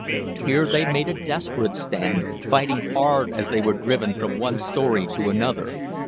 Here they made a desperate stand, fighting hard as they were driven from one storey to another.